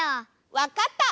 わかった！